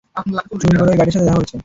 চুরি করে ঐ গাইডের সাথে দেখা করেছ।